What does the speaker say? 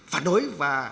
phản đối và